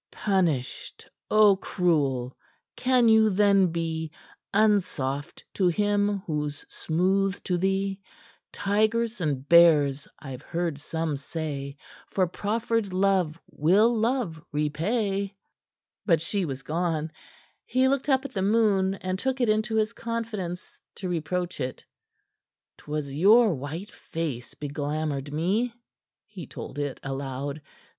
"Punished? Oh, cruel! Can you then be "'Unsoft to him who's smooth to thee? Tigers and bears, I've heard some say, For proffered love will love repay."' But she was gone. He looked up at the moon, and took it into his confidence to reproach it. "'Twas your white face beglamored me," he told it aloud.